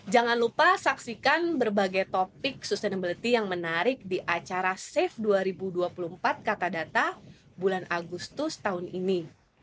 jangan lupa saksikan berbagai topik sustainability yang menarik di acara safe dua ribu dua puluh empat kata data bulan agustus tahun ini